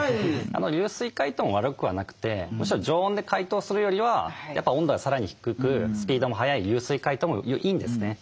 流水解凍も悪くはなくてむしろ常温で解凍するよりはやっぱ温度がさらに低くスピードも速い流水解凍もいいんですね。